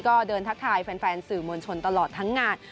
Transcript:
ก็เดินทักทายแฟนสื่อมวลชนตลอดทั้งงาน